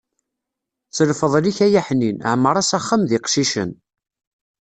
S lfeḍl-ik ay aḥnin, ɛemr-as axxam d iqcicen.